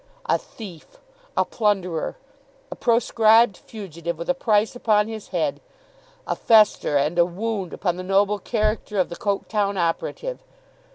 A thief! A plunderer! A proscribed fugitive, with a price upon his head; a fester and a wound upon the noble character of the Coketown operative!